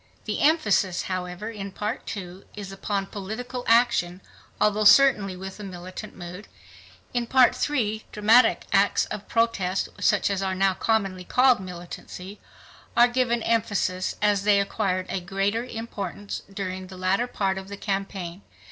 The emphasis, however, in Part II is upon political action, although certainly with a militant mood. In Part III dramatic acts of protest, such as are now commonly called militancy, are given emphasis as they acquired a greater importance during the latter part of the campaign.